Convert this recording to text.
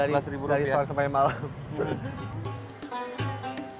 dari saat sampai malam